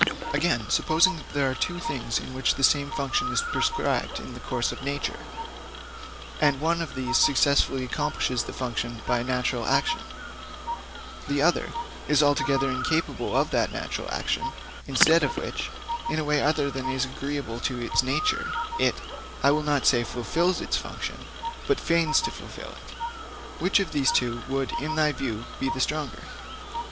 'Again, supposing there are two things to which the same function is prescribed in the course of nature, and one of these successfully accomplishes the function by natural action, the other is altogether incapable of that natural action, instead of which, in a way other than is agreeable to its nature, it I will not say fulfils its function, but feigns to fulfil it: which of these two would in thy view be the stronger?'